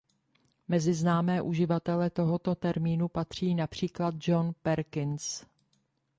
Mezi známé uživatele tohoto termínu patří například John Perkins.